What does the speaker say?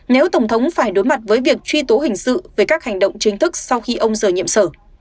nếu tổng thống phải đối mặt với việc truy tố hình sự về các hành động chính thức sau khi ông rời nhiệm sở